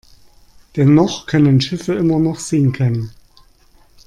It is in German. Dennoch können Schiffe immer noch sinken.